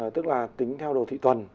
tức là tính theo đồ thị tuần